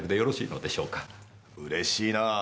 うれしいなあ。